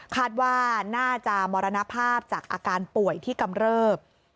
คาดว่าน่าจะมรณภาพจากอาการป่วยที่กำเริบ